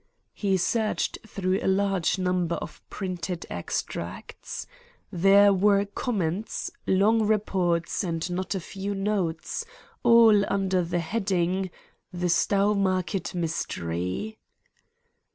He searched through a large number of printed extracts. There were comments, long reports, and not a few notes, all under the heading: "The Stowmarket Mystery."